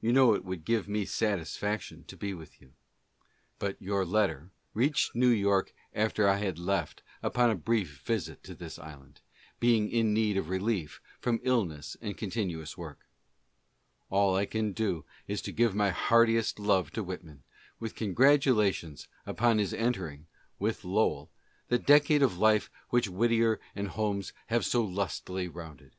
You know it would give me satisfaction to be with you. But STED31AN— SANBORN. 61 your letter, which has now followed me here, reached New York after I had left upon a brief visit to this island, being in need of relief from illness and continuous work. All I can do is to give my heartiest love to Whitman, with congratulations upon his entering, with Lowell, the decade of life which Whittier and Holmes have so lustily rounded.